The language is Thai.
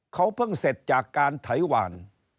เขาเพิ่งเสร็จจากการไถหวาน